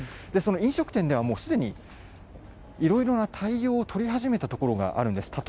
その飲食店では、もうすでにいろいろな対応を取り始めたところがあるんです。